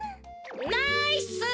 ナイス！